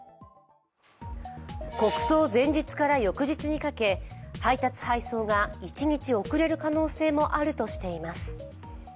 国葬前日から翌日にかけ、配達・配送が１日遅れる可能性もあるとしています。